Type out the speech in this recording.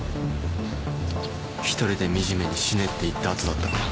一人で惨めに死ねって言った後だったから。